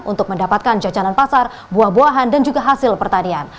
untuk mendapatkan jajanan pasar buah buahan dan juga hasil pertanian